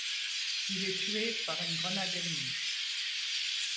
Il est tué par une grenade ennemie.